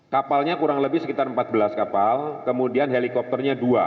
kapalnya kurang lebih sekitar empat belas kapal kemudian helikopternya dua